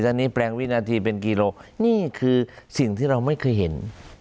ตอนนี้แปลงวินาทีเป็นกิโลนี่คือสิ่งที่เราไม่เคยเห็น